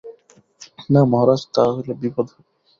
না মহারাজ, তাহা হইলে বিপদ হইবে।